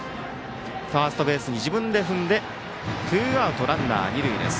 ファーストベースを自分で踏んでツーアウトランナー、二塁です。